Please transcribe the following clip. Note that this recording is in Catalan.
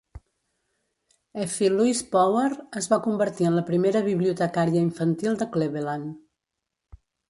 Effie Louise Power es va convertir en la primera bibliotecària infantil de Cleveland.